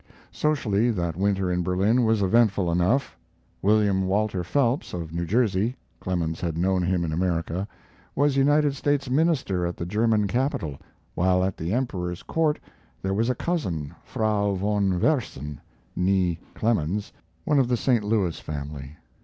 Socially, that winter in Berlin was eventful enough. William Walter Phelps, of New Jersey (Clemens had known him in America), was United States minister at the German capital, while at the Emperor's court there was a cousin, Frau von Versen, nee Clemens, one of the St. Louis family.